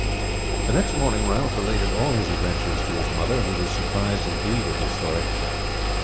The next morning Ralph related all his adventures to his mother, who was surprised indeed at his story.